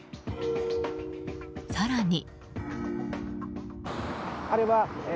更に。